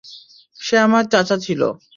সে আমার চাচা ছিল।